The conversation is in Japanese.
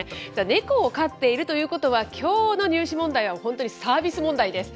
ネコを飼っているということは、きょうの入試問題は本当にサービス問題です。